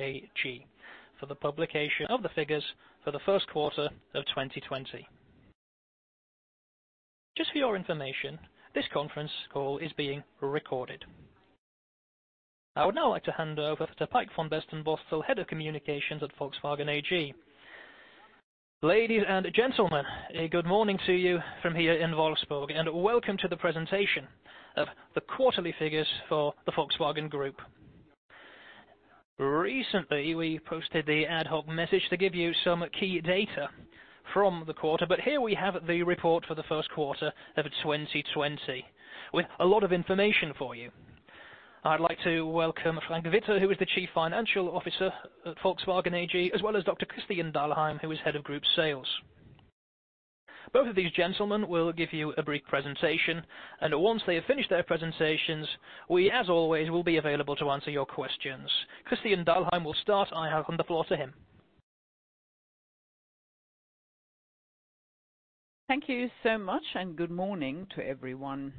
AG for the publication of the figures for the first quarter of 2020. Just for your information, this conference call is being recorded. I would now like to hand over to Peik von Bestenbostel, Head of Communications at Volkswagen AG. Ladies and gentlemen, a good morning to you from here in Wolfsburg, and welcome to the presentation of the quarterly figures for the Volkswagen Group. Recently, we posted the ad hoc message to give you some key data from the quarter. Here we have the report for the first quarter of 2020, with a lot of information for you. I'd like to welcome Frank Witter, who is the Chief Financial Officer at Volkswagen AG, as well as Dr. Christian Dahlheim, who is Head of Group Sales. Both of these gentlemen will give you a brief presentation. Once they have finished their presentations, we, as always, will be available to answer your questions. Christian Dahlheim will start. I hand on the floor to him. Thank you so much, good morning to everyone.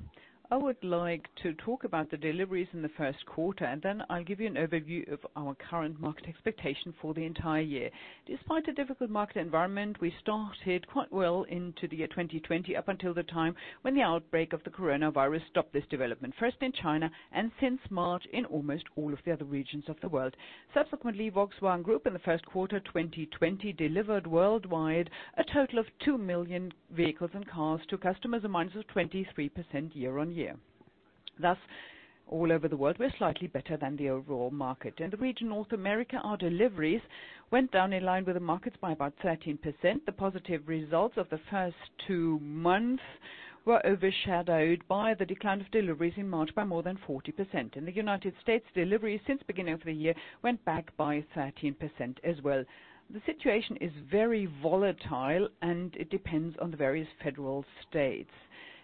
I would like to talk about the deliveries in the first quarter, then I'll give you an overview of our current market expectation for the entire year. Despite a difficult market environment, we started quite well into the year 2020, up until the time when the outbreak of the coronavirus stopped this development, first in China and since March in almost all of the other regions of the world. Subsequently, Volkswagen Group in the first quarter 2020 delivered worldwide a total of 2 million vehicles and cars to customers, a minus of 23% year-on-year. All over the world, we're slightly better than the overall market. In the region North America, our deliveries went down in line with the markets by about 13%. The positive results of the first two months were overshadowed by the decline of deliveries in March by more than 40%. In the United States, deliveries since beginning of the year went back by 13% as well. The situation is very volatile, and it depends on the various federal states.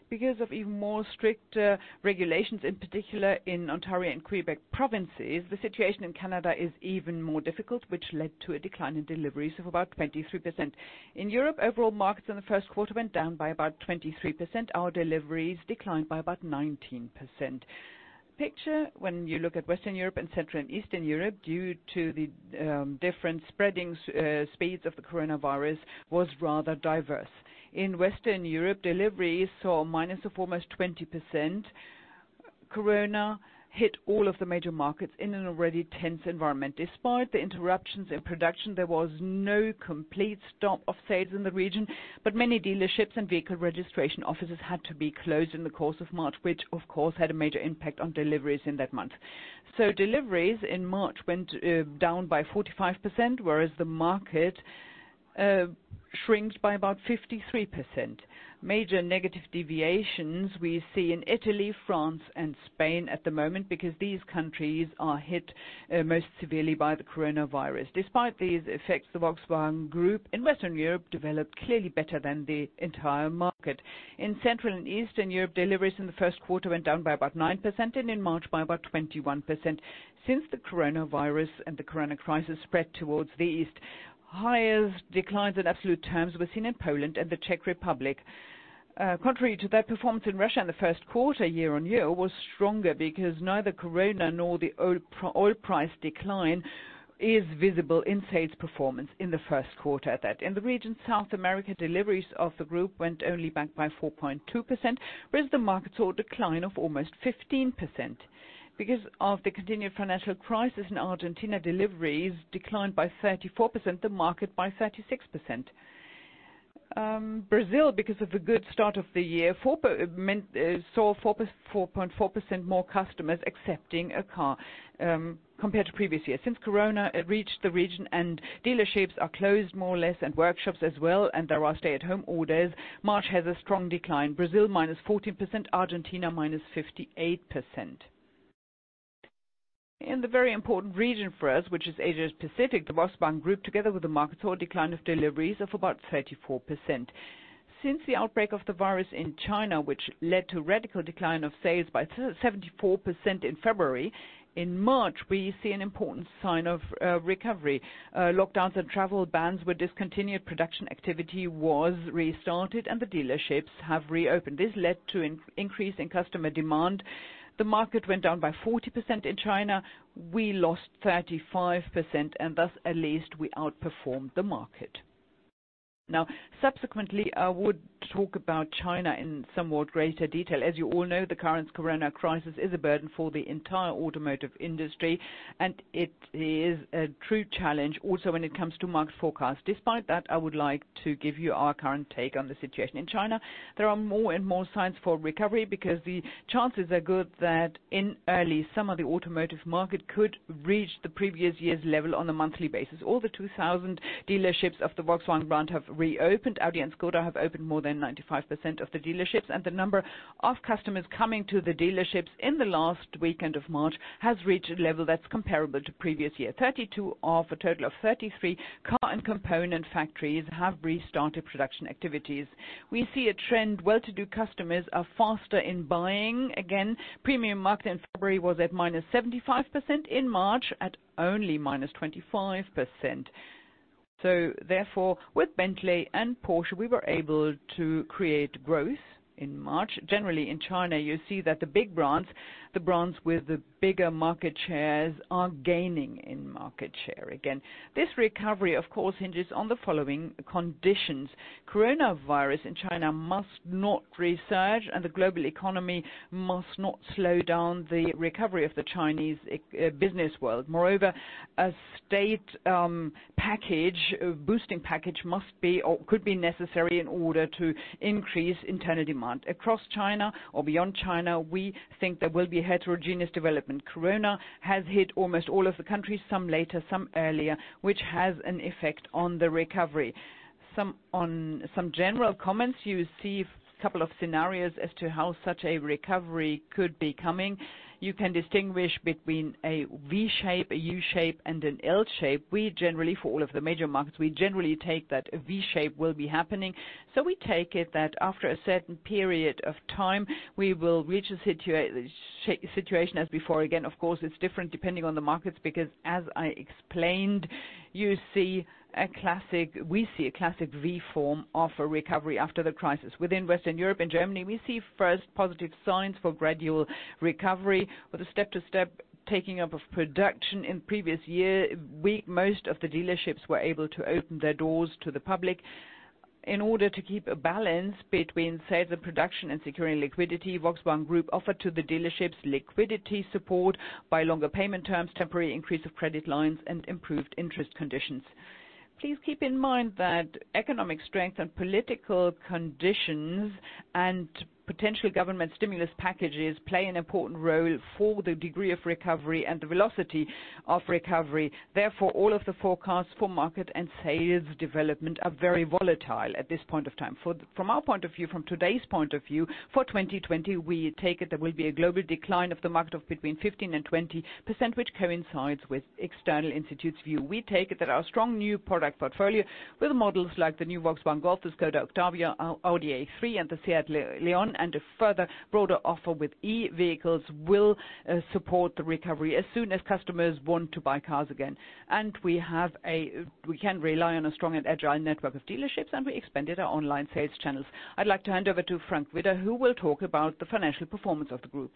Because of even more strict regulations, in particular in Ontario and Quebec provinces, the situation in Canada is even more difficult, which led to a decline in deliveries of about 23%. In Europe, overall markets in the first quarter went down by about 23%. Our deliveries declined by about 19%. Picture, when you look at Western Europe and Central and Eastern Europe, due to the different spreading speeds of the coronavirus, was rather diverse. In Western Europe, deliveries saw a minus of almost 20%. Corona hit all of the major markets in an already tense environment. Despite the interruptions in production, there was no complete stop of sales in the region, but many dealerships and vehicle registration offices had to be closed in the course of March, which of course had a major impact on deliveries in that month. Deliveries in March went down by 45%, whereas the market shrinks by about 53%. Major negative deviations we see in Italy, France, and Spain at the moment because these countries are hit most severely by the coronavirus. Despite these effects, the Volkswagen Group in Western Europe developed clearly better than the entire market. In Central and Eastern Europe, deliveries in the first quarter went down by about 9% and in March by about 21%. Since the coronavirus and the corona crisis spread towards the east, highest declines in absolute terms were seen in Poland and the Czech Republic. Contrary to that performance in Russia in the first quarter, year-on-year was stronger because neither corona nor the oil price decline is visible in sales performance in the first quarter at that. In the region South America, deliveries of the group went only back by 4.2%, whereas the market saw a decline of almost 15%. Because of the continued financial crisis in Argentina, deliveries declined by 34%, the market by 36%. Brazil, because of the good start of the year, saw 4.4% more customers accepting a car compared to previous years. Since corona, it reached the region and dealerships are closed more or less and workshops as well, and there are stay-at-home orders. March has a strong decline. Brazil, -14%, Argentina, -58%. In the very important region for us, which is Asia-Pacific, the Volkswagen Group, together with the market, saw a decline of deliveries of about 34%. Since the outbreak of the virus in China, which led to radical decline of sales by 74% in February, in March, we see an important sign of recovery. Lockdowns and travel bans were discontinued, production activity was restarted, and the dealerships have reopened. This led to an increase in customer demand. The market went down by 40% in China. We lost 35%, and thus at least we outperformed the market. Now, subsequently, I would talk about China in somewhat greater detail. As you all know, the current corona crisis is a burden for the entire automotive industry, and it is a true challenge also when it comes to market forecast. Despite that, I would like to give you our current take on the situation in China. There are more and more signs for recovery because the chances are good that in early summer, the automotive market could reach the previous year's level on a monthly basis. All the 2,000 dealerships of the Volkswagen brand have reopened. Audi and Škoda have opened more than 95% of the dealerships, and the number of customers coming to the dealerships in the last weekend of March has reached a level that's comparable to previous year. 32 of a total of 33 car and component factories have restarted production activities. We see a trend. Well-to-do customers are faster in buying again. Premium market in February was at -75%, in March at only -25%. Therefore, with Bentley and Porsche, we were able to create growth in March. Generally, in China, you see that the big brands, the brands with the bigger market shares, are gaining in market share again. This recovery, of course, hinges on the following conditions. Coronavirus in China must not resurge and the global economy must not slow down the recovery of the Chinese business world. A state boosting package must be, or could be necessary in order to increase internal demand. Across China or beyond China, we think there will be heterogeneous development. Corona has hit almost all of the countries, some later, some earlier, which has an effect on the recovery. On some general comments, you see a couple of scenarios as to how such a recovery could be coming. You can distinguish between a V shape, a U shape, and an L shape. We generally, for all of the major markets, we generally take that a V shape will be happening. We take it that after a certain period of time, we will reach a situation as before. Again, of course, it's different depending on the markets because as I explained, we see a classic V form of a recovery after the crisis. Within Western Europe and Germany, we see first positive signs for gradual recovery with a step-by-step taking up of production. In previous year, most of the dealerships were able to open their doors to the public. In order to keep a balance between sales and production and securing liquidity, Volkswagen Group offered to the dealerships liquidity support by longer payment terms, temporary increase of credit lines, and improved interest conditions. Please keep in mind that economic strength and political conditions and potential government stimulus packages play an important role for the degree of recovery and the velocity of recovery. Therefore, all of the forecasts for market and sales development are very volatile at this point of time. From our point of view, from today's point of view, for 2020, we take it there will be a global decline of the market of between 15% and 20%, which coincides with external institutes view. We take it that our strong new product portfolio with models like the new Volkswagen Golf, the Škoda Octavia, Audi A3, and the SEAT Leon, and a further broader offer with e-vehicles will support the recovery as soon as customers want to buy cars again. We can rely on a strong and agile network of dealerships, and we expanded our online sales channels. I'd like to hand over to Frank Witter, who will talk about the financial performance of the group.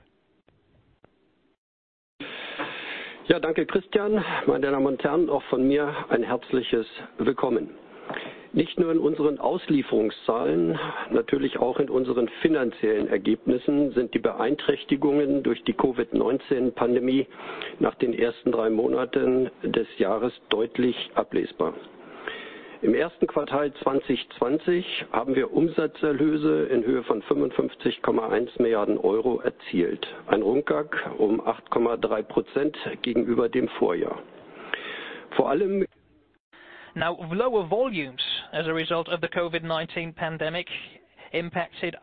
Lower volumes as a result of the COVID-19 pandemic impacted.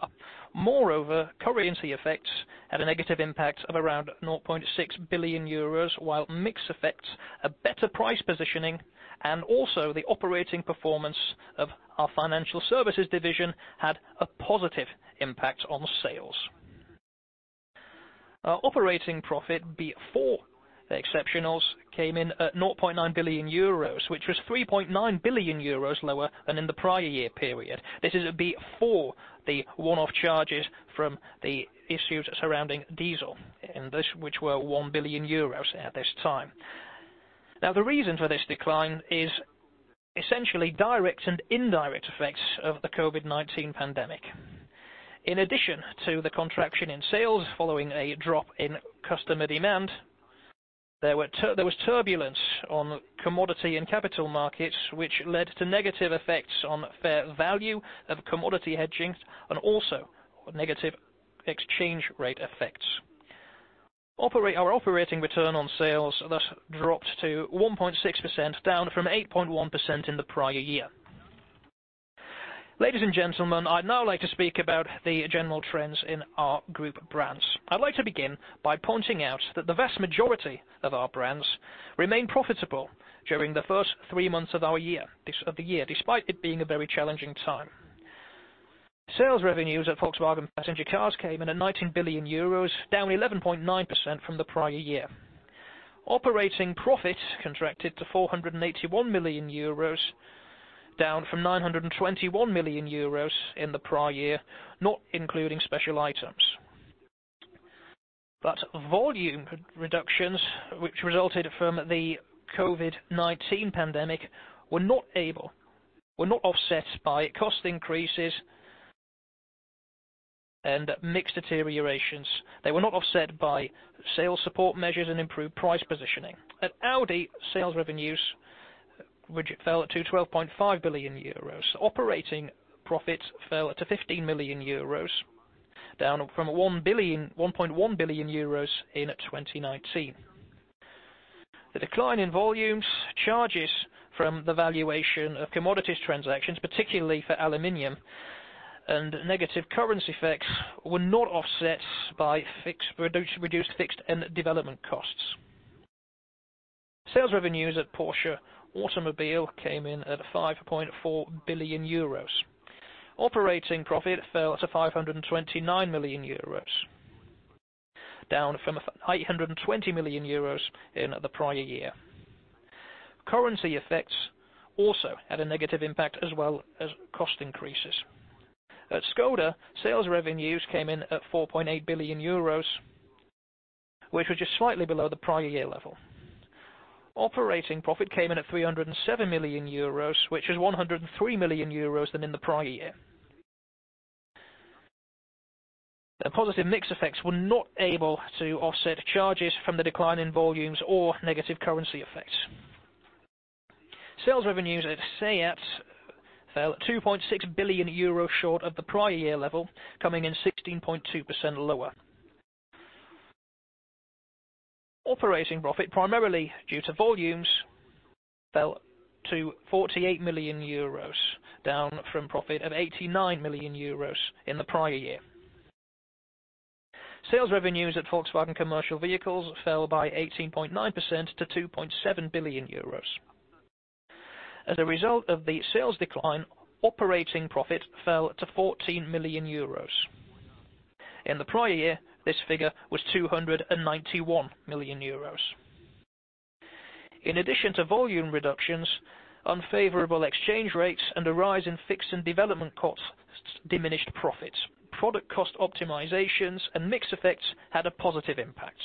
Moreover, currency effects had a negative impact of around 0.6 billion euros, while mix effects, a better price positioning, and also the operating performance of our financial services division had a positive impact on sales. Our operating profit before the exceptionals came in at 0.9 billion euros, which was 3.9 billion euros lower than in the prior year period. This is before the one-off charges from the issues surrounding diesel, and which were 1 billion euros at this time. The reason for this decline is essentially direct and indirect effects of the COVID-19 pandemic. In addition to the contraction in sales following a drop in customer demand, there was turbulence on commodity and capital markets, which led to negative effects on fair value of commodity hedging and also negative exchange rate effects. Our operating return on sales thus dropped to 1.6%, down from 8.1% in the prior year. Ladies and gentlemen, I'd now like to speak about the general trends in our group brands. I'd like to begin by pointing out that the vast majority of our brands remained profitable during the first three months of the year, despite it being a very challenging time. Sales revenues at Volkswagen Passenger Cars came in at 19 billion euros, down 11.9% from the prior year. Operating profit contracted to 481 million euros, down from 921 million euros in the prior year, not including special items. Volume reductions, which resulted from the COVID-19 pandemic, were not offset by cost increases and mix deteriorations. They were not offset by sales support measures and improved price positioning. At Audi, sales revenues fell to 12.5 billion euros. Operating profits fell to 15 million euros, down from 1.1 billion euros in 2019. The decline in volumes, charges from the valuation of commodities transactions, particularly for aluminum and negative currency effects, were not offset by reduced fixed and development costs. Sales revenues at Porsche Automobile came in at 5.4 billion euros. Operating profit fell to 529 million euros. Down from 820 million euros in the prior year. Currency effects also had a negative impact as well as cost increases. At Škoda, sales revenues came in at 4.8 billion euros, which was just slightly below the prior year level. Operating profit came in at 307 million euros, which is 103 million euros than in the prior year. The positive mix effects were not able to offset charges from the decline in volumes or negative currency effects. Sales revenues at SEAT fell to 2.6 billion euros short of the prior year level, coming in 16.2% lower. Operating profit, primarily due to volumes, fell to 48 million euros, down from profit of 89 million euros in the prior year. Sales revenues at Volkswagen Commercial Vehicles fell by 18.9% to 2.7 billion euros. As a result of the sales decline, operating profit fell to 14 million euros. In the prior year, this figure was 291 million euros. In addition to volume reductions, unfavorable exchange rates, and a rise in fixed and development costs diminished profits. Product cost optimizations and mix effects had a positive impact.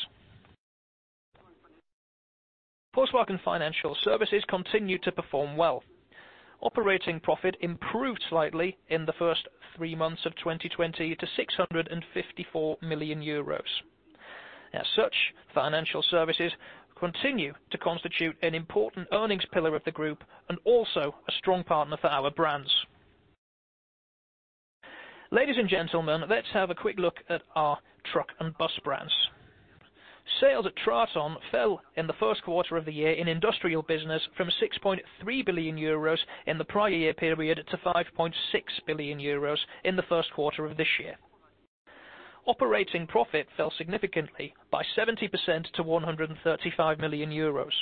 Volkswagen Financial Services continued to perform well. Operating profit improved slightly in the first three months of 2020 to 654 million euros. As such, financial services continue to constitute an important earnings pillar of the group and also a strong partner for our brands. Ladies and gentlemen, let's have a quick look at our truck and bus brands. Sales at TRATON fell in the first quarter of the year in industrial business from 6.3 billion euros in the prior year period to 5.6 billion euros in the first quarter of this year. Operating profit fell significantly by 70% to 135 million euros.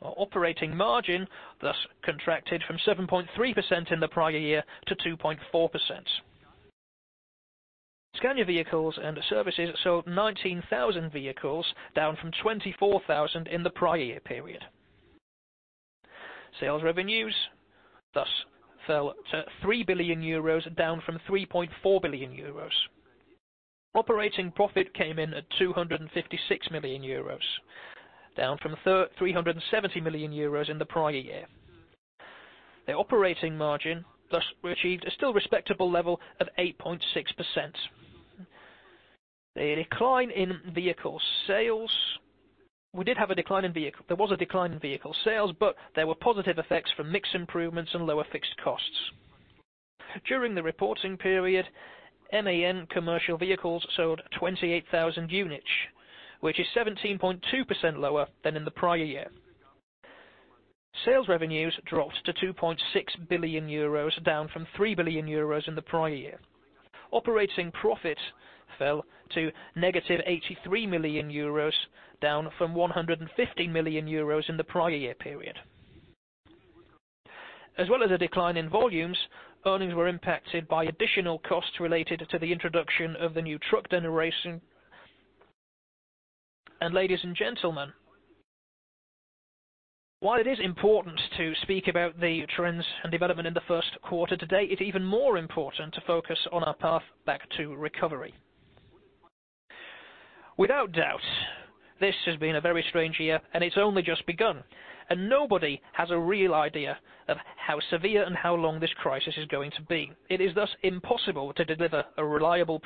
Operating margin thus contracted from 7.3% in the prior year to 2.4%. Scania Vehicles and Services sold 19,000 vehicles, down from 24,000 in the prior year period. Sales revenues thus fell to 3 billion euros, down from 3.4 billion euros. Operating profit came in at 256 million euros, down from 370 million euros in the prior year. The operating margin thus achieved a still respectable level of 8.6%. There was a decline in vehicle sales, but there were positive effects from mix improvements and lower fixed costs. During the reporting period, MAN Commercial Vehicles sold 28,000 units, which is 17.2% lower than in the prior year. Sales revenues dropped to 2.6 billion euros, down from 3 billion euros in the prior year. Operating profit fell to negative 83 million euros, down from 150 million euros in the prior year period. As well as a decline in volumes, earnings were impacted by additional costs related to the introduction of the new truck generation. Ladies and gentlemen, while it is important to speak about the trends and development in the first quarter, today it is even more important to focus on our path back to recovery. Without doubt, this has been a very strange year, and it is only just begun. Nobody has a real idea of how severe and how long this crisis is going to be. It is thus impossible to deliver a reliable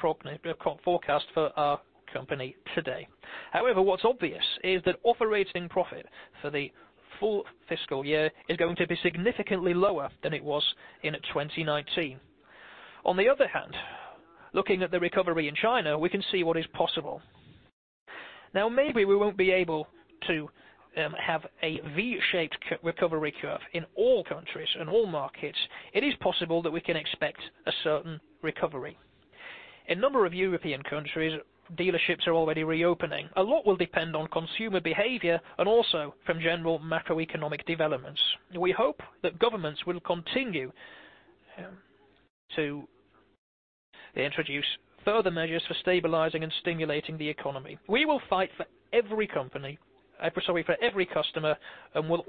forecast for our company today. However, what's obvious is that operating profit for the full fiscal year is going to be significantly lower than it was in 2019. On the other hand, looking at the recovery in China, we can see what is possible. Now, maybe we won't be able to have a V-shaped recovery curve in all countries and all markets. It is possible that we can expect a certain recovery. A number of European countries, dealerships are already reopening. A lot will depend on consumer behavior and also from general macroeconomic developments. We hope that governments will continue to introduce further measures for stabilizing and stimulating the economy. We will fight for every customer, and we'll,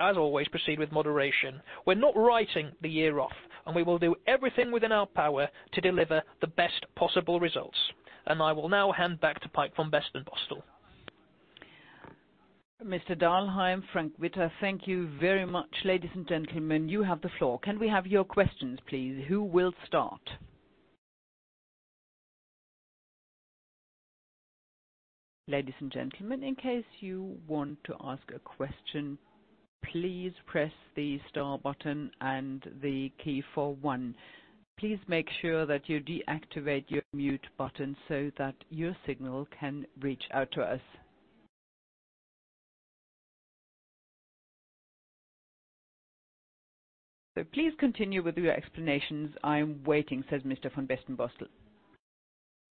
as always, proceed with moderation. We're not writing the year off, and we will do everything within our power to deliver the best possible results. I will now hand back to Peik von Bestenbostel. Mr. Dahlheim, Frank Witter, thank you very much. Ladies and gentlemen, you have the floor. Can we have your questions, please? Who will start? Ladies and gentlemen, in case you want to ask a question, please press the star button and the key for one. Please make sure that you deactivate your mute button so that your signal can reach out to us. Please continue with your explanations.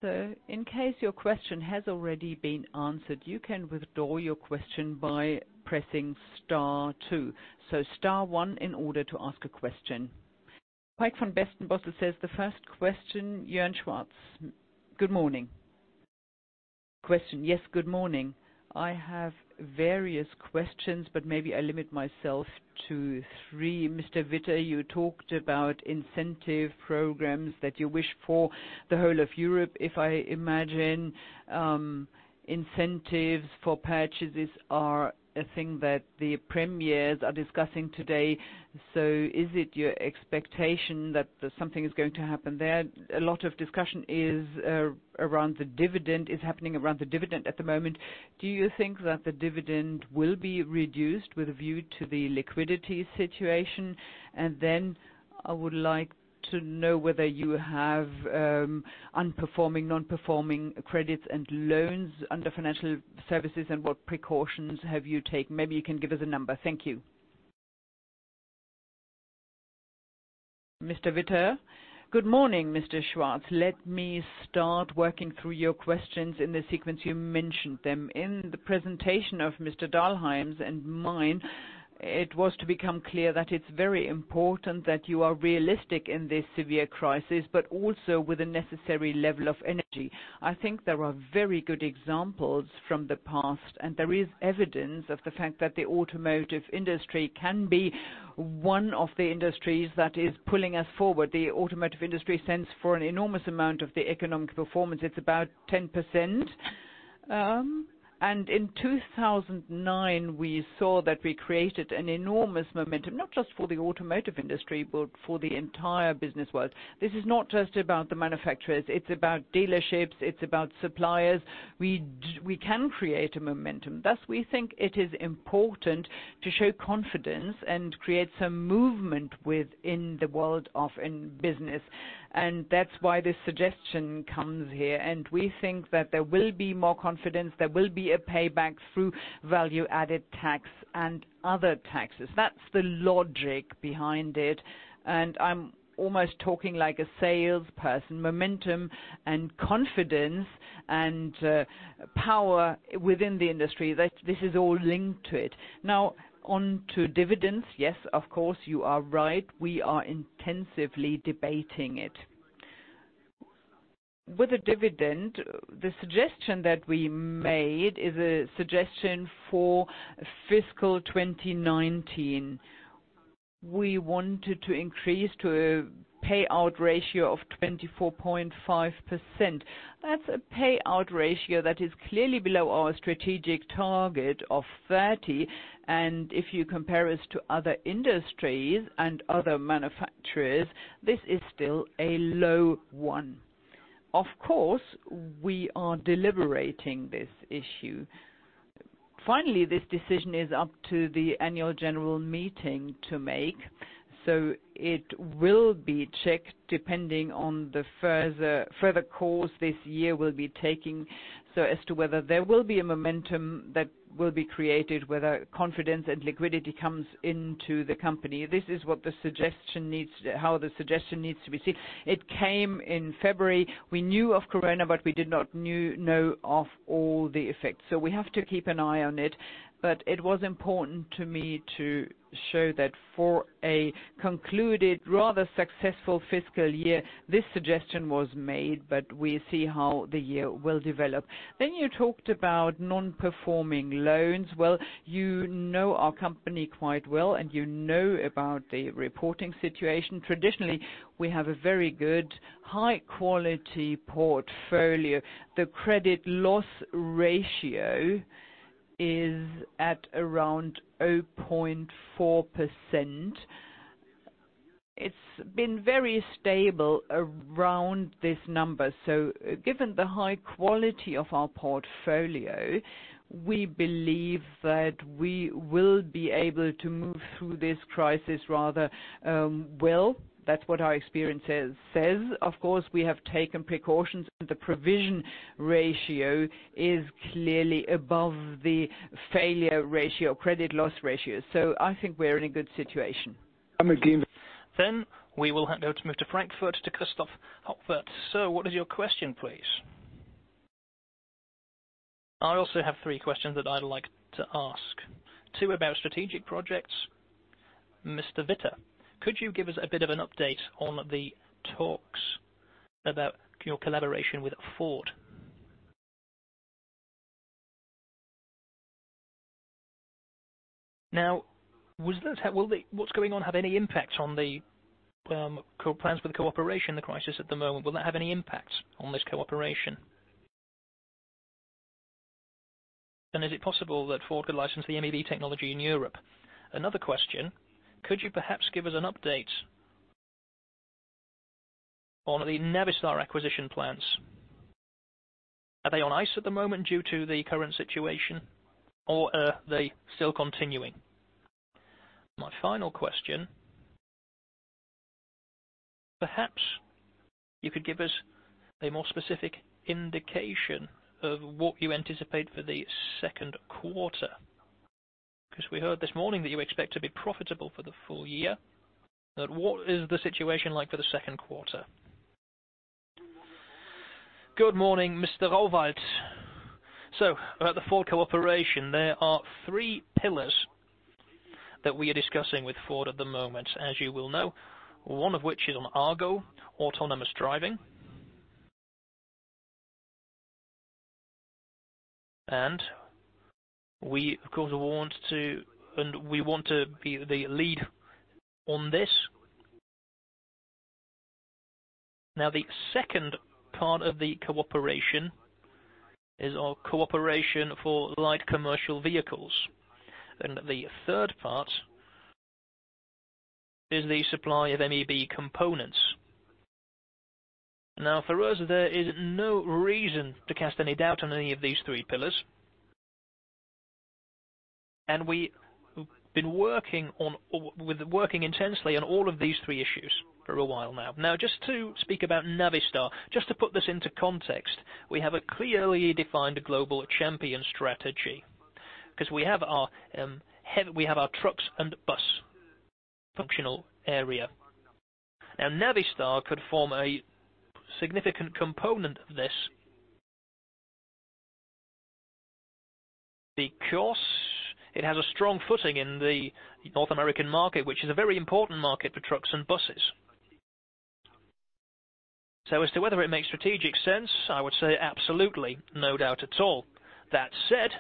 In case your question has already been answered, you can withdraw your question by pressing star two. Star one in order to ask a question. The first question, Jan Schwartz. Good morning. Yes, good morning. I have various questions, but maybe I limit myself to three. Frank Witter, you talked about incentive programs that you wish for the whole of Europe. If I imagine, incentives for purchases are a thing that the premiers are discussing today. Is it your expectation that something is going to happen there? A lot of discussion is happening around the dividend at the moment. Do you think that the dividend will be reduced with a view to the liquidity situation? I would like to know whether you have unperforming, non-performing credits and loans under financial services, and what precautions have you taken. Maybe you can give us a number. Thank you. Good morning, Mr. Schwartz. Let me start working through your questions in the sequence you mentioned them. In the presentation of Mr. Dahlheim's and mine, it was to become clear that it's very important that you are realistic in this severe crisis, but also with a necessary level of energy. I think there are very good examples from the past, and there is evidence of the fact that the automotive industry can be one of the industries that is pulling us forward. The automotive industry stands for an enormous amount of the economic performance. It's about 10%. In 2009, we saw that we created an enormous momentum, not just for the automotive industry, but for the entire business world. This is not just about the manufacturers. It's about dealerships. It's about suppliers. We can create a momentum. Thus, we think it is important to show confidence and create some movement within the world of in business. That's why this suggestion comes here. We think that there will be more confidence, there will be a payback through value-added tax and other taxes. That's the logic behind it. I'm almost talking like a salesperson. Momentum and confidence and power within the industry, this is all linked to it. Now on to dividends. Yes, of course, you are right. We are intensively debating it. With the dividend, the suggestion that we made is a suggestion for fiscal 2019. We wanted to increase to a payout ratio of 24.5%. That's a payout ratio that is clearly below our strategic target of 30%, and if you compare us to other industries and other manufacturers, this is still a low one. Of course, we are deliberating this issue. This decision is up to the annual general meeting to make. It will be checked depending on the further course this year will be taking, as to whether there will be a momentum that will be created, whether confidence and liquidity comes into the company. This is how the suggestion needs to be seen. It came in February. We knew of corona, we did not know of all the effects. We have to keep an eye on it. It was important to me to show that for a concluded, rather successful fiscal year, this suggestion was made, we see how the year will develop. You talked about non-performing loans. Well, you know our company quite well, and you know about the reporting situation. Traditionally, we have a very good high-quality portfolio. The credit loss ratio is at around 0.4%. It's been very stable around this number. Given the high quality of our portfolio, we believe that we will be able to move through this crisis rather well. That's what our experience says. Of course, we have taken precautions, and the provision ratio is clearly above the failure ratio, credit loss ratio. I think we're in a good situation. We will now move to Frankfurt to Christoph Rauwald. Sir, what is your question, please? I also have three questions that I'd like to ask. Two about strategic projects. Mr. Witter, could you give us a bit of an update on the talks about your collaboration with Ford? Now, what's going on, have any impact on the plans for the cooperation, the crisis at the moment? Will that have any impact on this cooperation? Is it possible that Ford could license the MEB technology in Europe? Another question. Could you perhaps give us an update on the Navistar acquisition plans? Are they on ice at the moment due to the current situation, or are they still continuing? My final question, perhaps you could give us a more specific indication of what you anticipate for the second quarter, because we heard this morning that you expect to be profitable for the full year. What is the situation like for the second quarter? Good morning, Mr. Rauwald. At the Ford cooperation, there are three pillars that we are discussing with Ford at the moment. As you will know, one of which is on Argo, autonomous driving. We want to be the lead on this. The second part of the cooperation is our cooperation for light commercial vehicles. The third part is the supply of MEB components. For us, there is no reason to cast any doubt on any of these three pillars. We have been working intensely on all of these three issues for a while now. Just to speak about Navistar, just to put this into context, we have a clearly defined global champion strategy because we have our trucks and bus functional area. Navistar could form a significant component of this because it has a strong footing in the North American market, which is a very important market for trucks and buses. As to whether it makes strategic sense, I would say absolutely, no doubt at all. That said,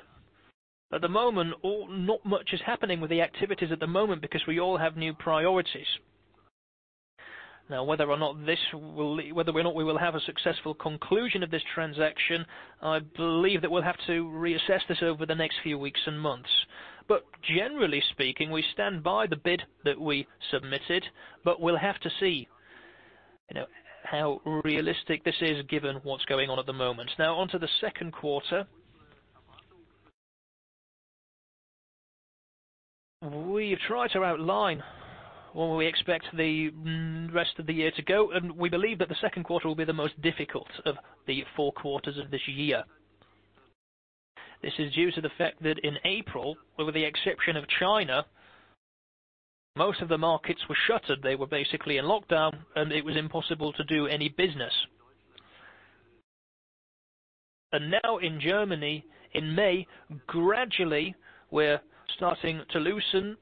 at the moment, not much is happening with the activities at the moment because we all have new priorities. Whether or not we will have a successful conclusion of this transaction, I believe that we'll have to reassess this over the next few weeks and months. Generally speaking, we stand by the bid that we submitted, but we'll have to see how realistic this is given what's going on at the moment. On to the second quarter. We have tried to outline where we expect the rest of the year to go, and we believe that the second quarter will be the most difficult of the four quarters of this year. This is due to the fact that in April, with the exception of China, most of the markets were shuttered. They were basically in lockdown, and it was impossible to do any business. Now in Germany, in May, gradually, we're starting to loosen,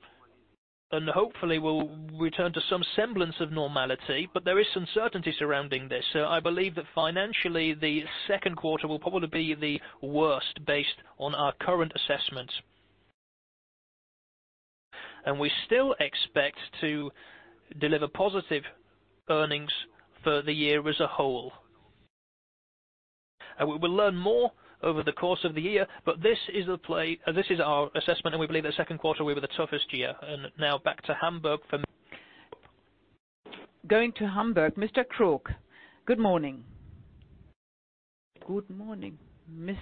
and hopefully, we'll return to some semblance of normality, but there is some certainty surrounding this. I believe that financially, the second quarter will probably be the worst based on our current assessment. We still expect to deliver positive earnings for the year as a whole. We will learn more over the course of the year, but this is our assessment, and we believe that second quarter will be the toughest year. Going to Hamburg. Mr. Crook. Good morning. Good morning.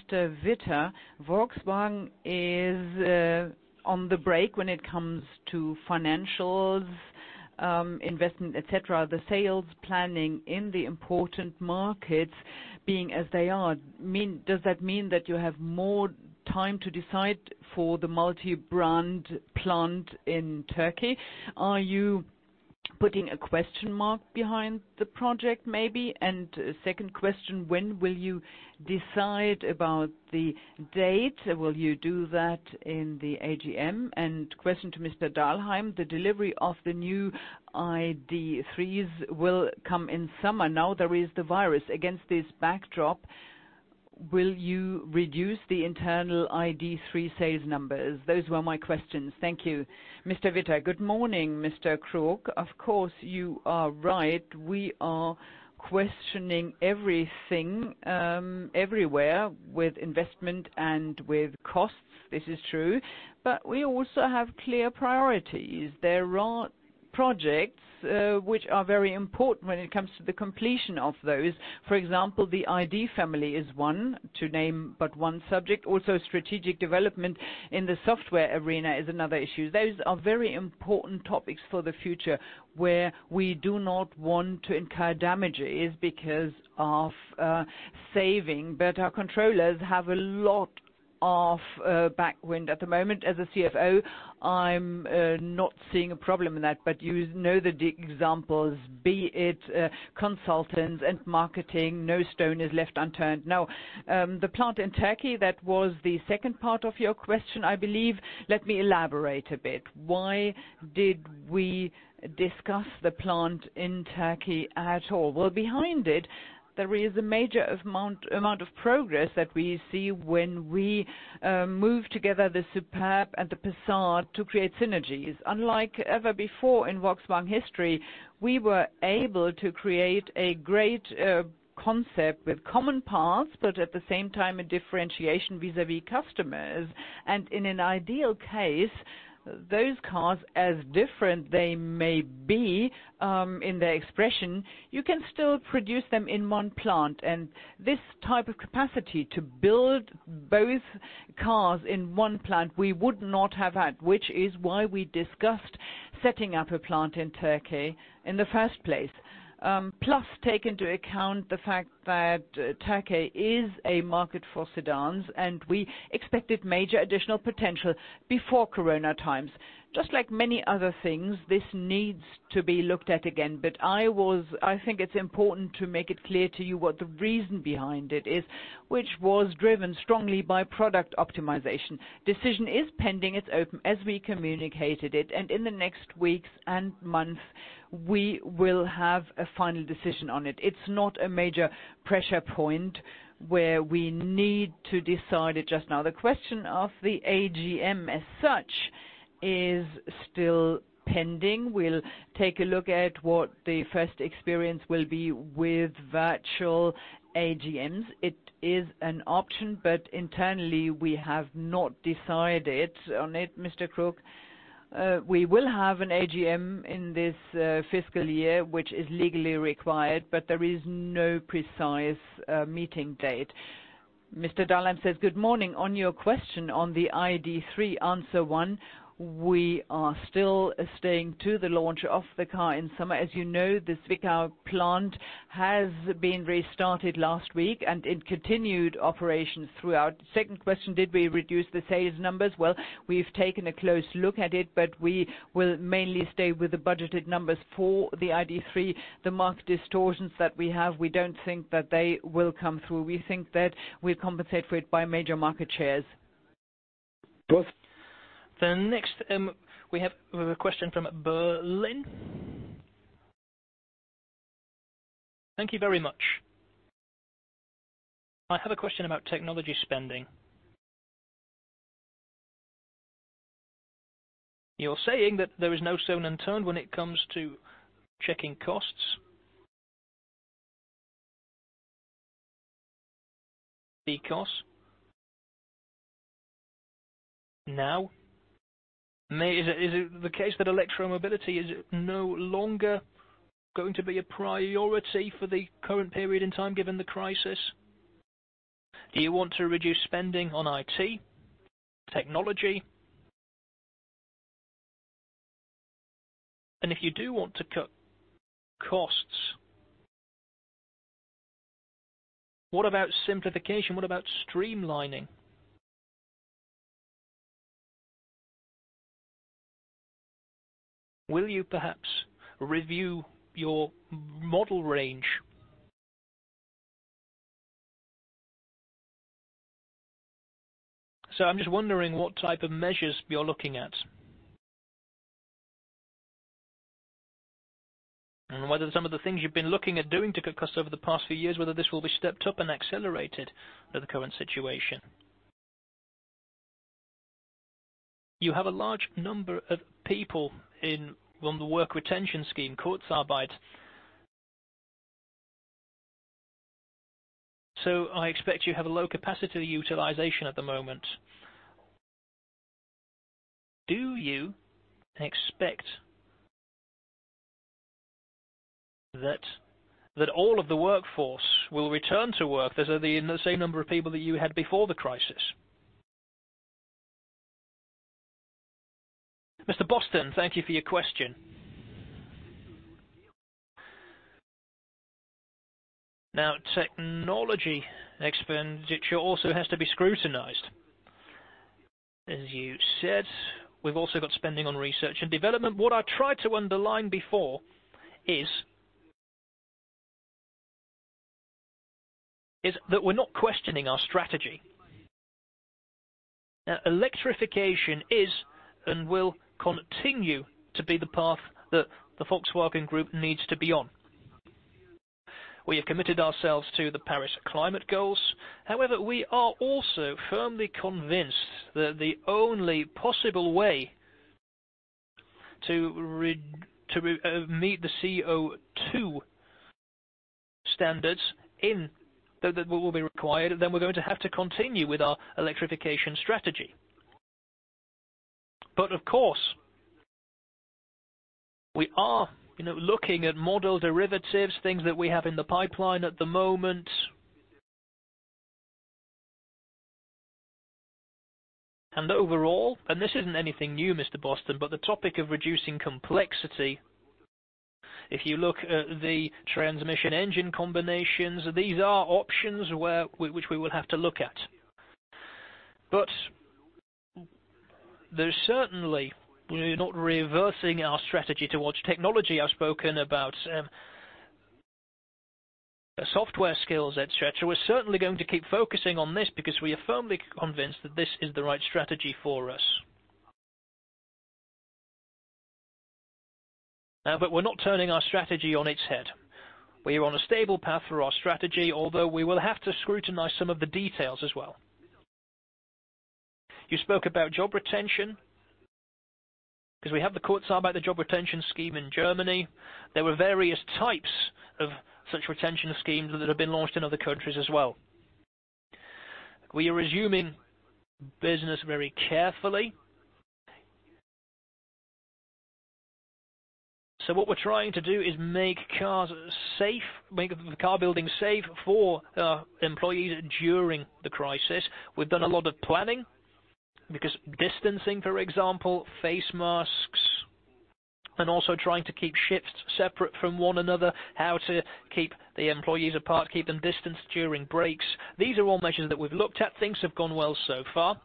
Frank Witter. Volkswagen is on the break when it comes to financials, investment, et cetera. The sales planning in the important markets being as they are, does that mean that you have more time to decide for the multi-brand plant in Turkey? Are you putting a question mark behind the project maybe? Second question, when will you decide about the date? Will you do that in the AGM? Question to Christian Dahlheim, the delivery of the new ID.3s will come in summer. Now there is the virus. Against this backdrop, will you reduce the internal ID.3 sales numbers? Those were my questions. Thank you. Good morning, Mr. Crook. Of course, you are right. We are questioning everything, everywhere with investment and with costs. This is true. We also have clear priorities. There are projects which are very important when it comes to the completion of those. For example, the ID. family is one, to name but one subject. Also, strategic development in the software arena is another issue. Those are very important topics for the future, where we do not want to incur damages because of saving. Our controllers have a lot of backwind at the moment. As a CFO, I'm not seeing a problem in that, but you know the examples, be it consultants and marketing. No stone is left unturned. The plant in Turkey, that was the second part of your question, I believe. Let me elaborate a bit. Why did we discuss the plant in Turkey at all? Behind it, there is a major amount of progress that we see when we move together the Superb and the Passat to create synergies. Unlike ever before in Volkswagen history, we were able to create a great concept with common paths, but at the same time, a differentiation vis-a-vis customers. In an ideal case, those cars, as different they may be in their expression, you can still produce them in one plant. This type of capacity to build both cars in one plant, we would not have had, which is why we discussed setting up a plant in Turkey in the first place. Plus, take into account the fact that Turkey is a market for sedans, and we expected major additional potential before COVID-19 times. Just like many other things, this needs to be looked at again. I think it's important to make it clear to you what the reason behind it is, which was driven strongly by product optimization. Decision is pending. It's open as we communicated it, and in the next weeks and months, we will have a final decision on it. It's not a major pressure point where we need to decide it just now. The question of the AGM as such is still pending. We'll take a look at what the first experience will be with virtual AGMs. It is an option, but internally we have not decided on it, Mr. Crook. We will have an AGM in this fiscal year, which is legally required, but there is no precise meeting date. Good morning. On your question on the ID.3, answer one, we are still staying to the launch of the car in summer. As you know, the Zwickau plant has been restarted last week, and it continued operations throughout. Second question, did we reduce the sales numbers? Well, we've taken a close look at it, but we will mainly stay with the budgeted numbers for the ID.3. The market distortions that we have, we don't think that they will come through. We think that we compensate for it by major market shares. We have a question from Berlin. Thank you very much. I have a question about technology spending. You're saying that there is no stone unturned when it comes to checking costs. Now, is it the case that electro-mobility is no longer going to be a priority for the current period in time, given the crisis? Do you want to reduce spending on IT, technology? If you do want to cut costs, what about simplification? What about streamlining? Will you perhaps review your model range? I'm just wondering what type of measures you're looking at. Whether some of the things you've been looking at doing to cut costs over the past few years, whether this will be stepped up and accelerated with the current situation. You have a large number of people on the work retention scheme, Kurzarbeit. I expect you have a low capacity utilization at the moment. Do you expect that all of the workforce will return to work as the same number of people that you had before the crisis? Mr. Boston, thank you for your question. Technology expenditure also has to be scrutinized. As you said, we've also got spending on research and development. What I tried to underline before is that we're not questioning our strategy. Electrification is and will continue to be the path that the Volkswagen Group needs to be on. We have committed ourselves to the Paris climate goals. However, we are also firmly convinced that the only possible way to meet the CO2 standards that will be required, then we're going to have to continue with our electrification strategy. Of course, we are looking at model derivatives, things that we have in the pipeline at the moment. Overall, and this isn't anything new, Mr. Boston, but the topic of reducing complexity, if you look at the transmission engine combinations, these are options which we will have to look at. We're certainly not reversing our strategy towards technology. I've spoken about software skills, et cetera. We're certainly going to keep focusing on this because we are firmly convinced that this is the right strategy for us. We're not turning our strategy on its head. We are on a stable path for our strategy, although we will have to scrutinize some of the details as well. You spoke about job retention because we have the Kurzarbeit job retention scheme in Germany. There were various types of such retention schemes that have been launched in other countries as well. We are resuming business very carefully. What we're trying to do is make car building safe for our employees during the crisis. We've done a lot of planning because distancing, for example, face masks, and also trying to keep shifts separate from one another, how to keep the employees apart, keep them distanced during breaks. These are all measures that we've looked at. Things have gone well so far.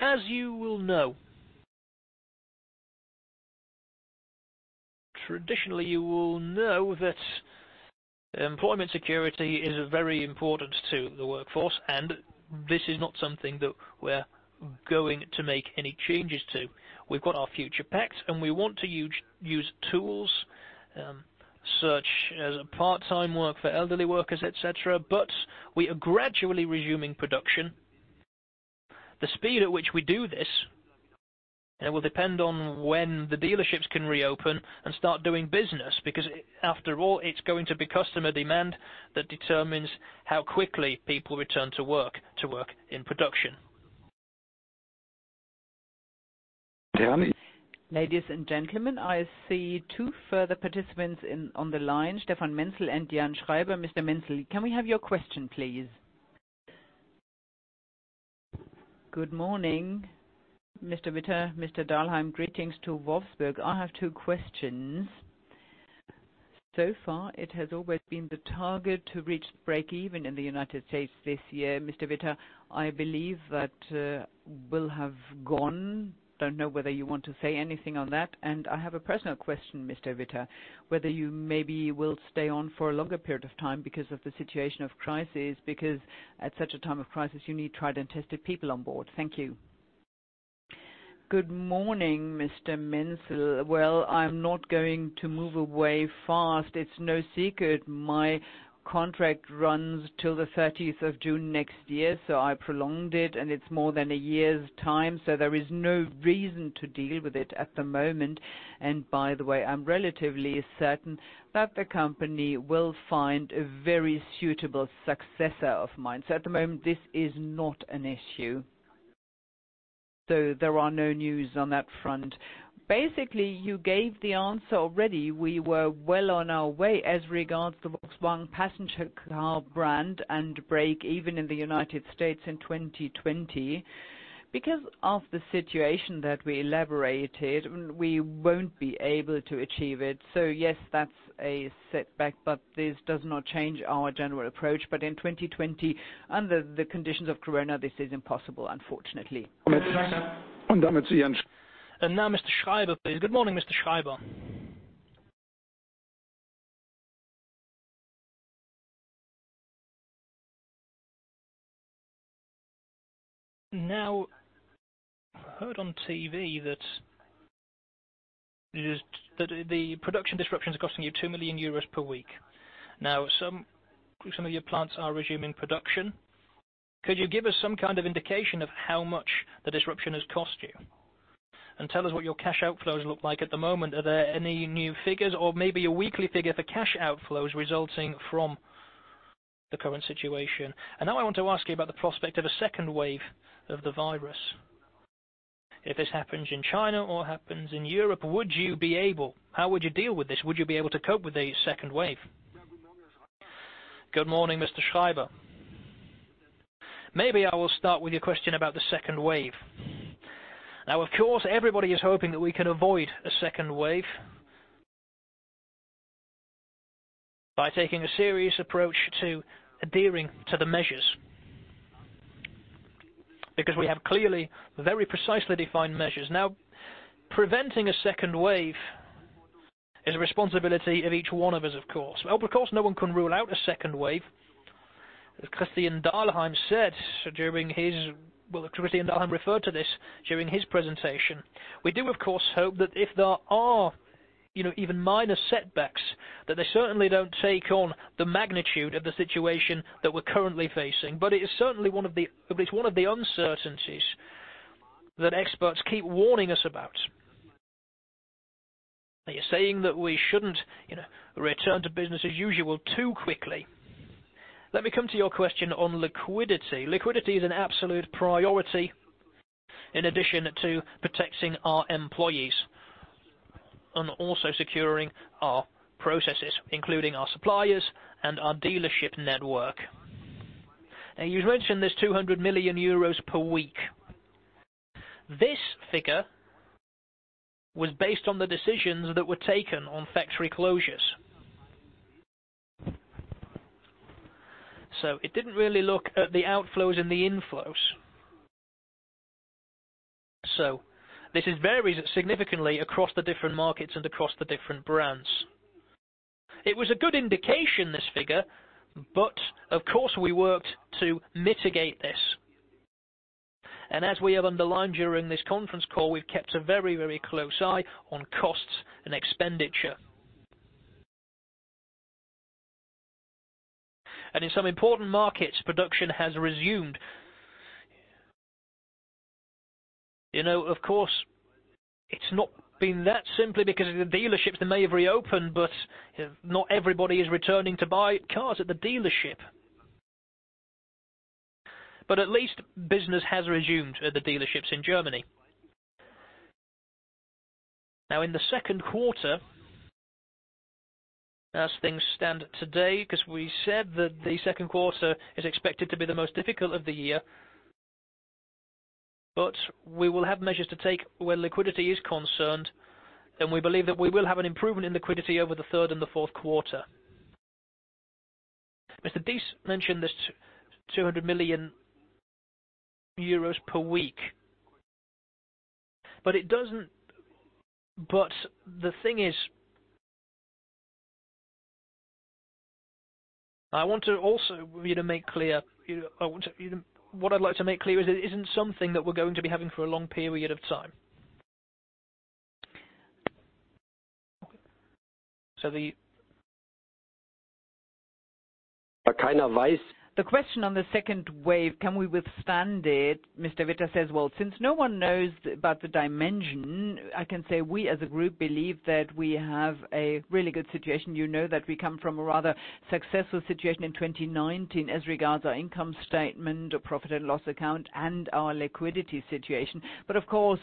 As you will know, traditionally, you will know that employment security is very important to the workforce, and this is not something that we're going to make any changes to. We've got our future pact and we want to use tools such as part-time work for elderly workers, et cetera, but we are gradually resuming production. The speed at which we do this will depend on when the dealerships can reopen and start doing business, because after all, it's going to be customer demand that determines how quickly people return to work in production. Ladies and gentlemen, I see two further participants on the line, Stefan Menzel and Jan Schreiber. Mr. Menzel, can we have your question please? Good morning, Frank Witter, Christian Dahlheim. Greetings to Wolfsburg. I have two questions. So far, it has always been the target to reach break-even in the U.S. this year. Frank Witter, I believe that will have gone. Don't know whether you want to say anything on that. I have a personal question, Frank Witter, whether you maybe will stay on for a longer period of time because of the situation of crisis, because at such a time of crisis, you need tried and tested people on board. Thank you. Good morning, Mr. Menzel. Well, I'm not going to move away fast. It's no secret my contract runs till the June 30th next year, so I prolonged it, and it's more than one year's time. There is no reason to deal with it at the moment. By the way, I'm relatively certain that the company will find a very suitable successor of mine. At the moment, this is not an issue, so there are no news on that front. Basically, you gave the answer already. We were well on our way as regards the Volkswagen Passenger Cars brand and break even in the United States in 2020. Because of the situation that we elaborated, we won't be able to achieve it. Yes, that's a setback, but this does not change our general approach. In 2020, under the conditions of corona, this is impossible, unfortunately. Now Mr. Schreiber please. Good morning, Mr. Schreiber. I heard on TV that the production disruption is costing you 2 million euros per week. Some of your plants are resuming production. Could you give us some kind of indication of how much the disruption has cost you? Tell us what your cash outflows look like at the moment. Are there any new figures or maybe a weekly figure for cash outflows resulting from the current situation? Now I want to ask you about the prospect of a second wave of the virus. If this happens in China or happens in Europe, how would you deal with this? Would you be able to cope with a second wave? Good morning, Mr. Schreiber. Maybe I will start with your question about the second wave. Of course, everybody is hoping that we can avoid a second wave by taking a serious approach to adhering to the measures because we have clearly, very precisely defined measures. Preventing a second wave is a responsibility of each one of us, of course. Of course, no one can rule out a second wave. Christian Dahlheim referred to this during his presentation. We do, of course, hope that if there are even minor setbacks, that they certainly don't take on the magnitude of the situation that we're currently facing. It is certainly one of the uncertainties that experts keep warning us about. They are saying that we shouldn't return to business as usual too quickly. Let me come to your question on liquidity. Liquidity is an absolute priority in addition to protecting our employees and also securing our processes, including our suppliers and our dealership network. You mentioned this 200 million euros per week. This figure was based on the decisions that were taken on factory closures. It didn't really look at the outflows and the inflows. This varies significantly across the different markets and across the different brands. It was a good indication, this figure, of course, we worked to mitigate this. As we have underlined during this conference call, we've kept a very close eye on costs and expenditure. In some important markets, production has resumed. Of course, it's not been that simply because the dealerships may have reopened, not everybody is returning to buy cars at the dealership. At least business has resumed at the dealerships in Germany. In the second quarter, as things stand today, because we said that the second quarter is expected to be the most difficult of the year, but we will have measures to take where liquidity is concerned, and we believe that we will have an improvement in liquidity over the third and the fourth quarter. Herbert Diess mentioned this 200 million euros per week, but the thing is, I want to also make clear, what I'd like to make clear is it isn't something that we're going to be having for a long period of time. The question on the second wave, can we withstand it? No one knows about the dimension, I can say we as a group believe that we have a really good situation. You know that we come from a rather successful situation in 2019 as regards our income statement or profit and loss account and our liquidity situation. Of course,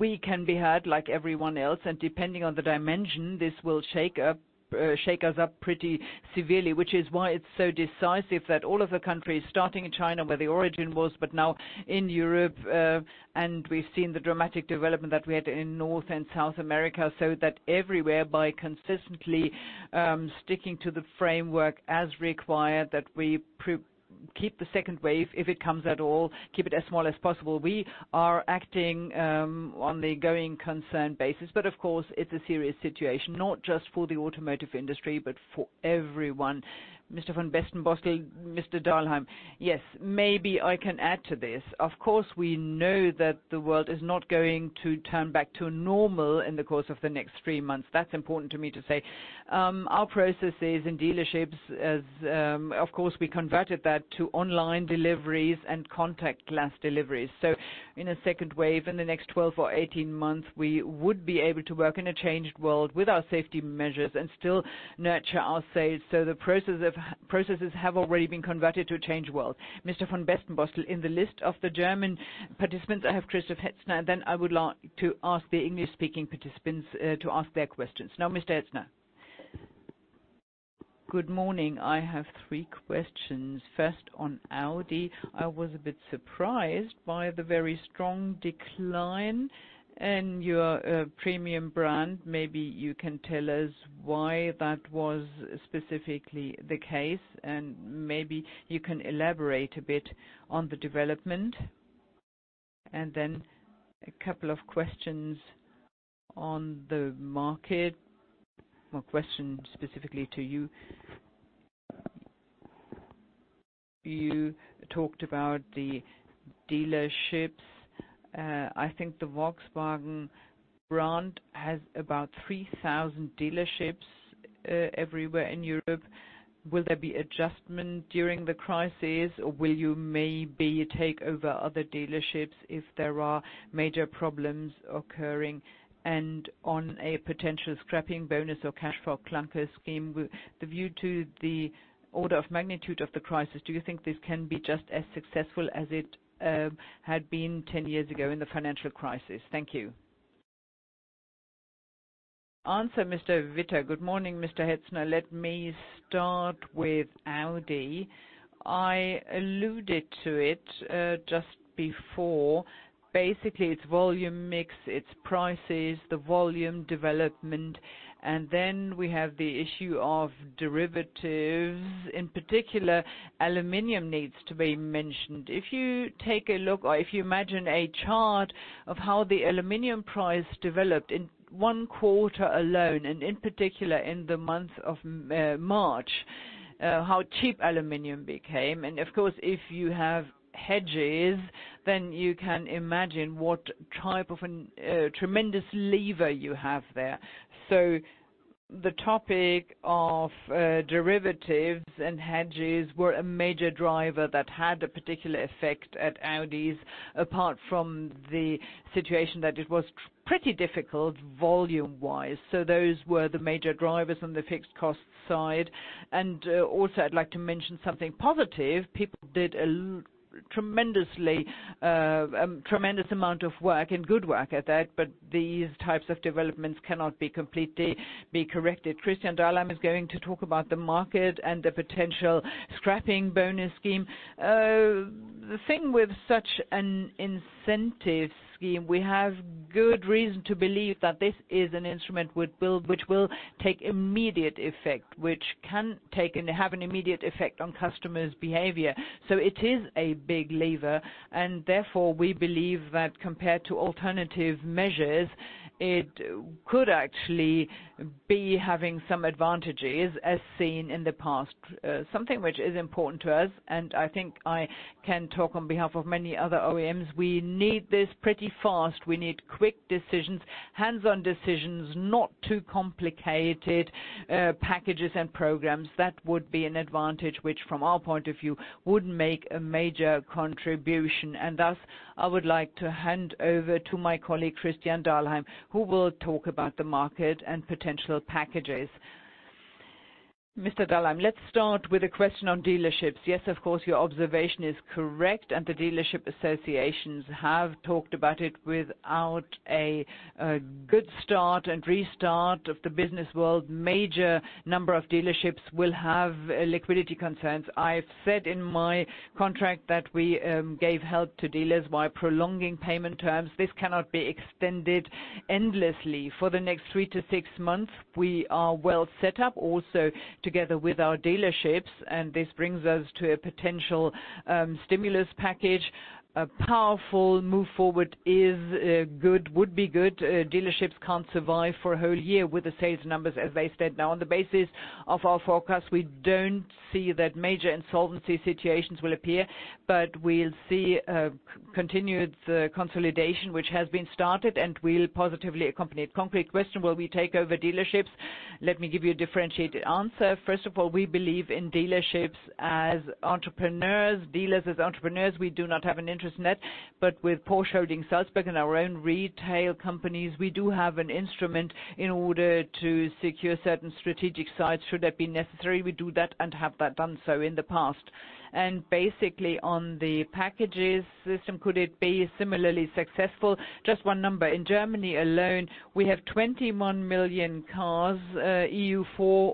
we can be hurt like everyone else and depending on the dimension, this will shake us up pretty severely, which is why it's so decisive that all of the countries starting in China, where the origin was, but now in Europe, and we've seen the dramatic development that we had in North and South America, so that everywhere, by consistently sticking to the framework as required, that we keep the second wave, if it comes at all, keep it as small as possible. We are acting on the going concern basis. Of course, it's a serious situation, not just for the automotive industry, but for everyone. Mr. von Bestenbostel, maybe I can add to this. We know that the world is not going to turn back to normal in the course of the next three months. That's important to me to say. Our processes in dealerships, of course, we converted that to online deliveries and contactless deliveries. In a second wave, in the next 12 or 18 months, we would be able to work in a changed world with our safety measures and still nurture our sales. The processes have already been converted to a changed world. In the list of the German participants, I have Christiaan Hetzner, then I would like to ask the English-speaking participants to ask their questions. Mr. Hetzner. Good morning. I have three questions. On Audi. I was a bit surprised by the very strong decline in your premium brand. You can tell us why that was specifically the case, you can elaborate a bit on the development. A couple of questions on the market. My question specifically to you. You talked about the dealerships. I think the Volkswagen brand has about 3,000 dealerships everywhere in Europe. Will there be adjustment during the crisis or will you maybe take over other dealerships if there are major problems occurring? On a potential scrapping bonus or cash for clunkers scheme, the view to the order of magnitude of the crisis, do you think this can be just as successful as it had been 10 years ago in the financial crisis? Thank you. Good morning, Mr. Hetzner. Let me start with Audi. I alluded to it just before. Basically, its volume mix, its prices, the volume development, we have the issue of derivatives. In particular, aluminum needs to be mentioned. If you take a look or if you imagine a chart of how the aluminum price developed in one quarter alone, in particular in the month of March, how cheap aluminum became. Of course, if you have hedges, you can imagine what type of a tremendous lever you have there. The topic of derivatives and hedges were a major driver that had a particular effect at Audi, apart from the situation that it was pretty difficult volume-wise. Those were the major drivers on the fixed cost side. Also I'd like to mention something positive. People did a tremendous amount of work and good work at that, but these types of developments cannot be completely be corrected. Christian Dahlheim is going to talk about the market and the potential scrapping bonus scheme. The thing with such an incentive scheme, we have good reason to believe that this is an instrument which will take immediate effect, which can have an immediate effect on customers' behavior. It is a big lever, and therefore, we believe that compared to alternative measures, it could actually be having some advantages as seen in the past. Something which is important to us, and I think I can talk on behalf of many other OEMs, we need this pretty fast. We need quick decisions, hands-on decisions, not too complicated packages and programs. That would be an advantage which from our point of view, would make a major contribution, and thus, I would like to hand over to my colleague Christian Dahlheim, who will talk about the market and potential packages. Let's start with a question on dealerships. Yes, of course, your observation is correct, and the dealership associations have talked about it. Without a good start and restart of the business world, a major number of dealerships will have liquidity concerns. I've said in my contract that we gave help to dealers by prolonging payment terms. This cannot be extended endlessly. For the next three to six months, we are well set up also together with our dealerships, and this brings us to a potential stimulus package. A powerful move forward would be good. Dealerships can't survive for a whole year with the sales numbers as they stand now. On the basis of our forecast, we don't see that major insolvency situations will appear, but we'll see a continued consolidation, which has been started, and we'll positively accompany it. Concrete question, will we take over dealerships? Let me give you a differentiated answer. First of all, we believe in dealerships as entrepreneurs, dealers as entrepreneurs. We do not have an interest in that. With Porsche Holding Salzburg and our own retail companies, we do have an instrument in order to secure certain strategic sites should that be necessary. We do that and have done so in the past. Basically, on the packages system, could it be similarly successful? Just one number. In Germany alone, we have 21 million cars, EU4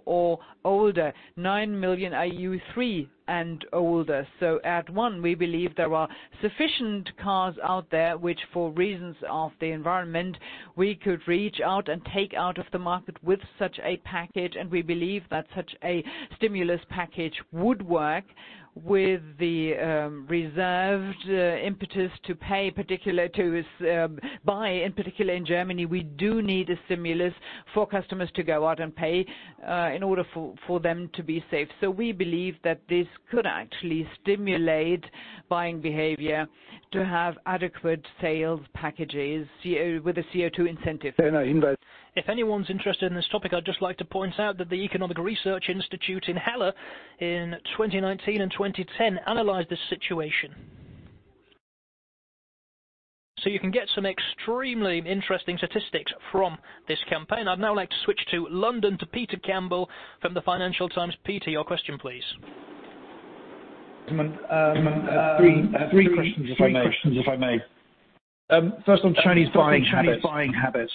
or older. 9 million are EU3 and older. At one, we believe there are sufficient cars out there, which for reasons of the environment, we could reach out and take out of the market with such a package, and we believe that such a stimulus package would work with the reserved impetus to buy, in particular, in Germany. We do need a stimulus for customers to go out and pay in order for them to be safe. We believe that this could actually stimulate buying behavior to have adequate sales packages with a CO2 incentive. If anyone's interested in this topic, I'd just like to point out that the Halle Institute for Economic Research in 2019 and 2010 analyzed this situation. You can get some extremely interesting statistics from this campaign. I'd now like to switch to London to Peter Campbell from the Financial Times. Peter, your question, please. I have three questions, if I may. On Chinese buying habits,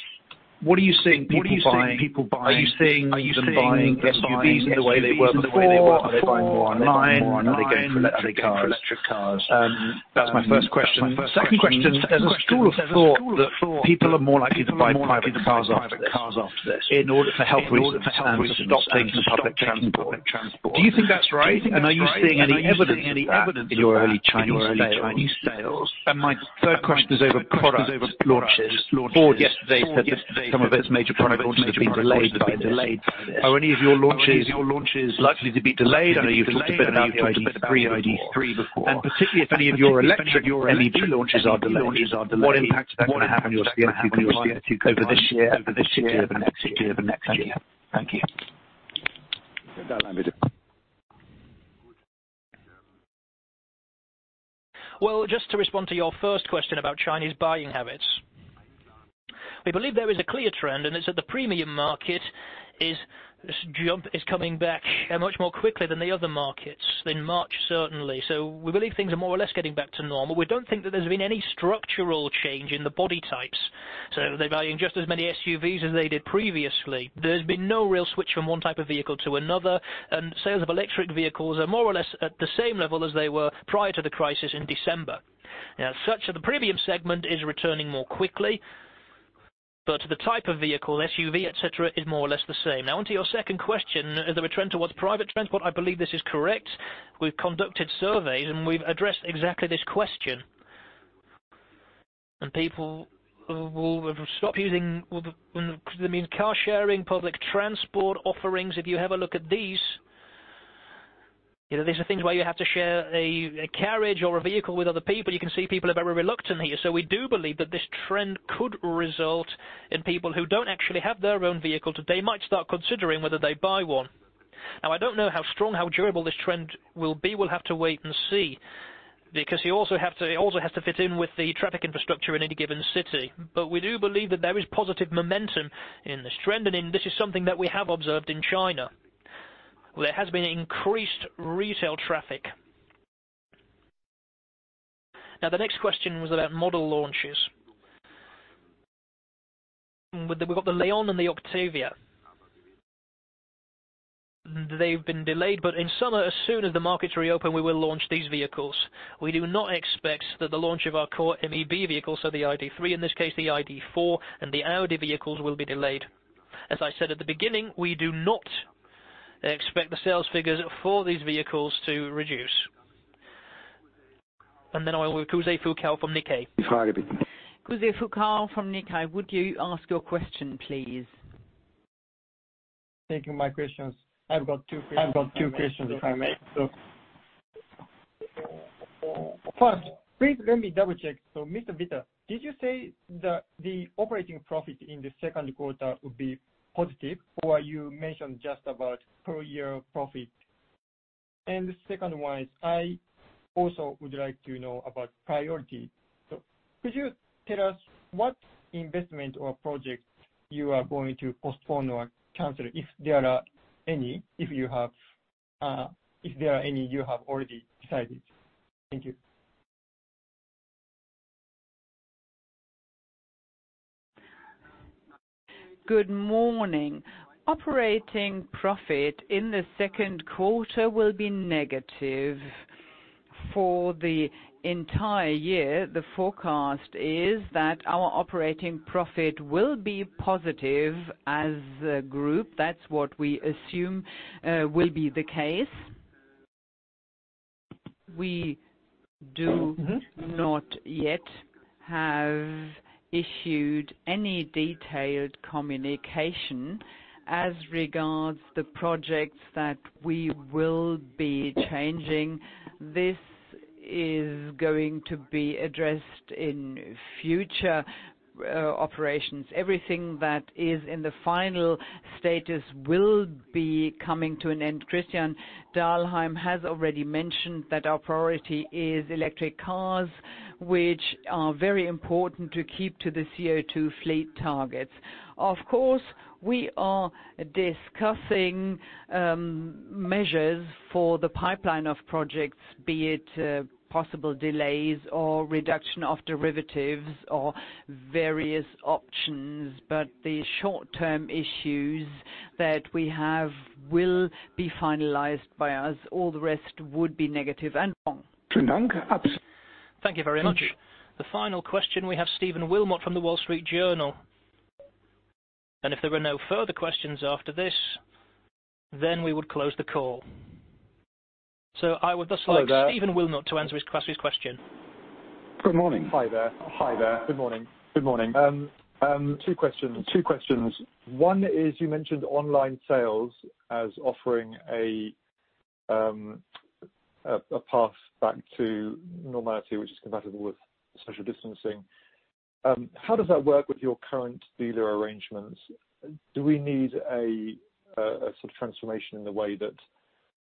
what are you seeing people buying? Are you seeing them buying SUVs in the way they were before? Are they buying more online? Are they going for electric cars? That's my first question. Second question, there's a school of thought that people are more likely to buy private cars after this in order for health reasons and to stop taking public transport. Do you think that's right? Are you seeing any evidence of that in your early Chinese sales? My third question is over product launches. Ford yesterday said that some of its major product launches have been delayed by this. Are any of your launches likely to be delayed? I know you've talked a bit about the ID.3 before. Particularly if any of your electric MEB launches are delayed, what impact is that going to have on your CO2 compliance over this year and particularly over next year? Thank you. Well, just to respond to your first question about Chinese buying habits. We believe there is a clear trend, and it's that the premium market is coming back much more quickly than the other markets, in March, certainly. We believe things are more or less getting back to normal. We don't think that there's been any structural change in the body types. They're buying just as many SUVs as they did previously. There's been no real switch from one type of vehicle to another, and sales of electric vehicles are more or less at the same level as they were prior to the crisis in December. As such, the premium segment is returning more quickly, but the type of vehicle, SUV, et cetera, is more or less the same. Now onto your second question, is there a trend towards private transport? I believe this is correct. We've conducted surveys, and we've addressed exactly this question. People will stop using car sharing, public transport offerings. If you have a look at these are things where you have to share a carriage or a vehicle with other people. You can see people are very reluctant here. We do believe that this trend could result in people who don't actually have their own vehicle today might start considering whether they buy one. Now, I don't know how strong, how durable this trend will be. We'll have to wait and see, because it also has to fit in with the traffic infrastructure in any given city. We do believe that there is positive momentum in this trend, and this is something that we have observed in China. There has been increased retail traffic. Now, the next question was about model launches. We've got the Leon and the Octavia. They've been delayed, in summer, as soon as the markets reopen, we will launch these vehicles. We do not expect that the launch of our core MEB vehicles, so the ID.3, in this case the ID.4, and the Audi vehicles will be delayed. As I said at the beginning, we do not expect the sales figures for these vehicles to reduce. I will go to Kosei Fukao from Nikkei. Kosei Fukao from Nikkei, would you ask your question, please? Thank you. My questions. I've got two questions, if I may. First, please let me double-check. Frank Witter, did you say that the operating profit in the second quarter would be positive, or you mentioned just about full-year profit? The second one is, I also would like to know about priority. Could you tell us what investment or project you are going to postpone or cancel, if there are any you have already decided? Thank you. Good morning. Operating profit in the second quarter will be negative for the entire year. The forecast is that our operating profit will be positive as a Group. That's what we assume will be the case. We do not yet have issued any detailed communication as regards the projects that we will be changing. This is going to be addressed in future operations. Everything that is in the final status will be coming to an end. Christian Dahlheim has already mentioned that our priority is electric cars, which are very important to keep to the CO2 fleet targets. Of course, we are discussing measures for the pipeline of projects, be it possible delays or reduction of derivatives or various options. The short-term issues that we have will be finalized by us. All the rest would be negative and wrong. Thank you very much. The final question, we have Stephen Wilmot from The Wall Street Journal. If there are no further questions after this, then we would close the call. I would thus like Stephen Wilmot to ask his question. Good morning. Hi there. Good morning. Two questions. One is, you mentioned online sales as offering a path back to normality, which is compatible with social distancing. How does that work with your current dealer arrangements? Do we need a transformation in the way that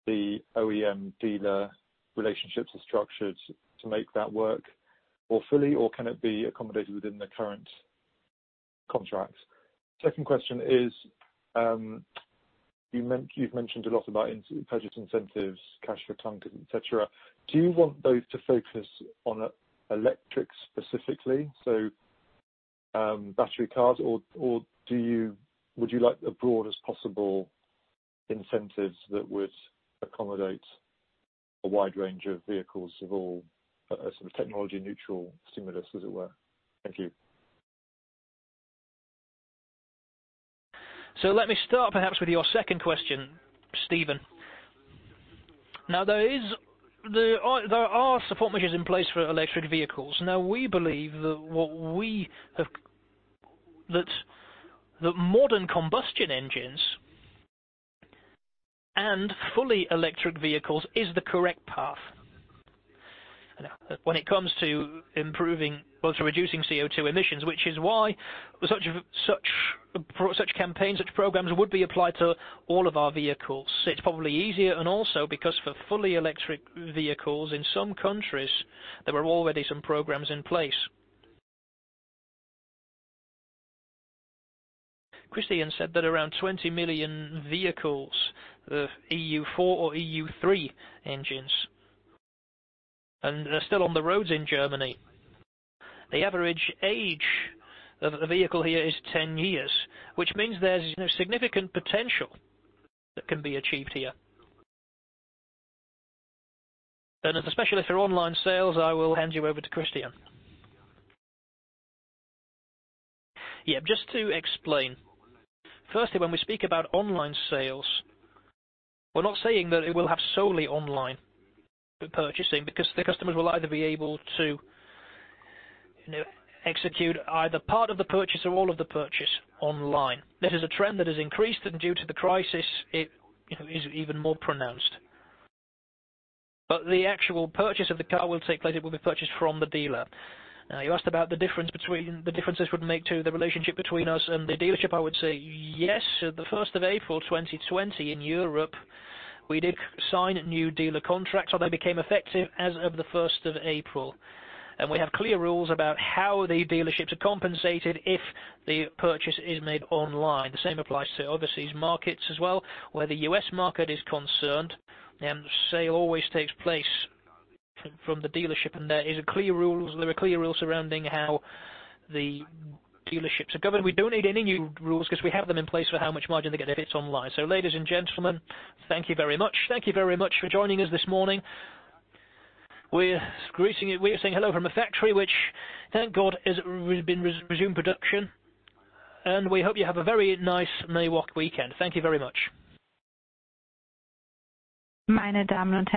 the OEM dealer relationships are structured to make that work fully, or can it be accommodated within the current contracts? Second question is, you've mentioned a lot about purchase incentives, cash for clunkers, et cetera. Do you want those to focus on electric specifically, so battery cars, or would you like the broadest possible incentives that would accommodate a wide range of vehicles of all technology-neutral stimulus, as it were? Thank you. Let me start perhaps with your second question, Stephen. There are support measures in place for electric vehicles. We believe that the modern combustion engines and fully electric vehicles is the correct path when it comes to reducing CO2 emissions, which is why such campaigns, such programs would be applied to all of our vehicles. Also because for fully electric vehicles, in some countries, there were already some programs in place. Christian said that around 20 million vehicles, EU4 or EU3 engines, they're still on the roads in Germany. The average age of a vehicle here is 10 years, which means there's significant potential that can be achieved here. Especially for online sales, I will hand you over to Christian. Yeah, just to explain. Firstly, when we speak about online sales, we're not saying that it will have solely online purchasing because the customers will either be able to execute either part of the purchase or all of the purchase online. That is a trend that has increased and due to the crisis, it is even more pronounced. The actual purchase of the car will take place, it will be purchased from the dealer. Now you asked about the differences it would make to the relationship between us and the dealership. I would say yes, the April 1st 2020 in Europe, we did sign new dealer contracts, so they became effective as of the April 1st. We have clear rules about how the dealerships are compensated if the purchase is made online. The same applies to overseas markets as well. Where the U.S. market is concerned, sale always takes place from the dealership, and there are clear rules surrounding how the dealerships are governed. We don't need any new rules because we have them in place for how much margin they get if it's online. Ladies and gentlemen, thank you very much. Thank you very much for joining us this morning. We are saying hello from a factory, which thank God has resumed production. We hope you have a very nice May walk weekend. Thank you very much. Ladies and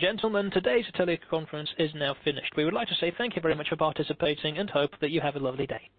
gentlemen, today's teleconference is now finished. We would like to say thank you very much for participating and hope that you have a lovely day.